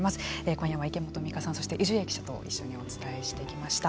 今夜は池本美香さんそして氏家記者と一緒にお伝えしていきました。